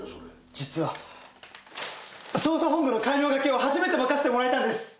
実は捜査本部の戒名書きを初めて任せてもらえたんです！